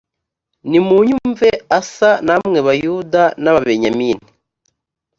nimunyumve asa namwe bayuda n ababenyamini